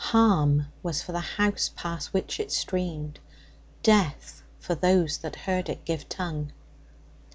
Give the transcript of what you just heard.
Harm was for the house past which it streamed, death for those that heard it give tongue.